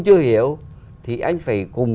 chưa hiểu thì anh phải cùng